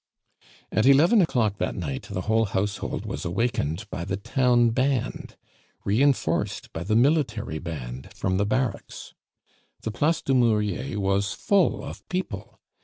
At eleven o'clock that night the whole household was awakened by the town band, reinforced by the military band from the barracks. The Place du Murier was full of people.